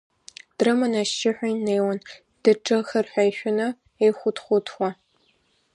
Дрыманы ашьшьыҳәа инеиуан, ддырҿыхар ҳәа ишәаны, еихәыҭхәыҭуа.